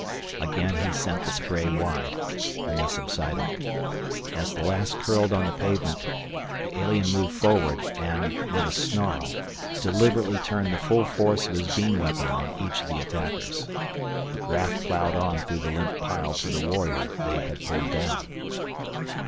Again he sent the spray wide, and they subsided. As the last curled on the pavement, the alien moved forward and, with a snarl, deliberately turned the full force of his beam weapon on each of the attackers. But Raf plowed on through the limp pile to the warrior they had pulled down.